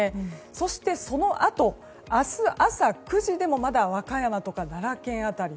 そして、そのあと明日朝９時でもまだ和歌山や奈良県辺り。